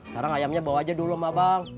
sekarang ayamnya bawa aja dulu mbak bang